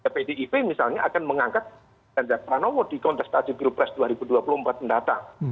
pdip misalnya akan mengangkat ganjar pranowo di kontestasi pilpres dua ribu dua puluh empat mendatang